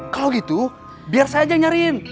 kalau gitu biar saya aja nyariin